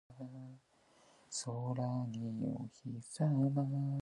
Ngeelooba wii mo: mi woodaa, sey a yaha a munya.